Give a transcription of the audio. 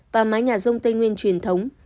và mái nhà rông tây nguyên truyền thống